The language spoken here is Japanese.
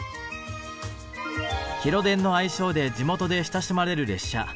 「広電」の愛称で地元で親しまれる列車。